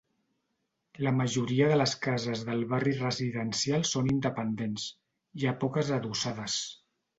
La majoria de les cases del barri residencial són independents; hi ha poques adossades.